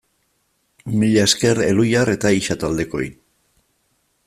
Mila esker Elhuyar eta Ixa taldekoei!